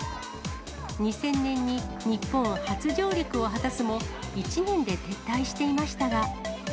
２０００年に日本初上陸を果たすも、１年で撤退していましたが。